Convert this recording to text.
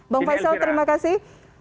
bang faisal terima kasih